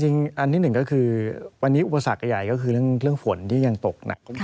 อันที่หนึ่งก็คือวันนี้อุปสรรคใหญ่ก็คือเรื่องฝนที่ยังตกหนัก